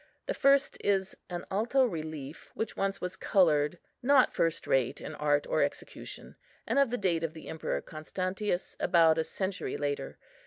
The first is an alto relief, which once was coloured, not first rate in art or execution, and of the date of the Emperor Constantius, about a century later.